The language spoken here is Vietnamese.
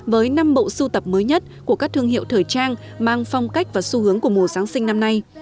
với năm bộ sưu tập mới nhất của các thương hiệu thời trang mang phong cách và xu hướng của mùa giáng sinh năm nay